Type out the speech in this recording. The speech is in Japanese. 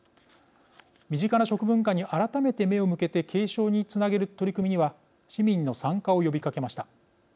身近な食文化に改めて目を向けて継承につなげる取り組みには市民の参加を呼びかけました。